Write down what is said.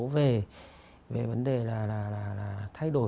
về vấn đề là thay đổi